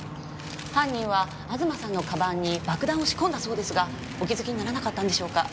犯人は東さんの鞄に爆弾を仕込んだそうですがお気づきにならなかったんでしょうか？